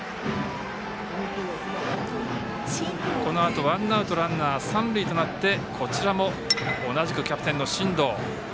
このあと、ワンアウトランナー、三塁となってこちらも同じくキャプテンの進藤。